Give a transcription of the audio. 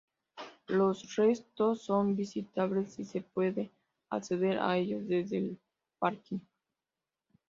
Los restos son visitables y se puede acceder a ellos desde el parking.